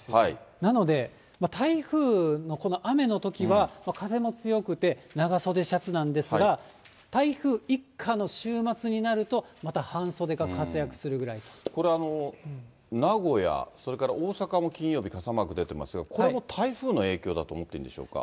なので、台風のこの雨のときは風も強くて、長袖シャツなんですが、台風一過の週末になると、これ、名古屋、それから大阪も金曜日傘マーク出てますが、これも台風の影響だと思っていいんでしょうか。